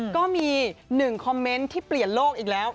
ก็มี๑คอมเมนต์ที่เปลี่ยนโลกอีกแล้ว